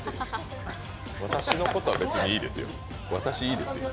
私のことは別にいいんですよ。